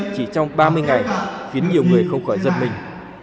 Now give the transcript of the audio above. chỉ trong ba mươi ngày khiến nhiều người không khỏi giật mình